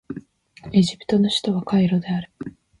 エジプトの首都はカイロである